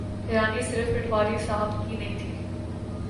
حیرانی صرف پٹواری صاحب کی نہ تھی۔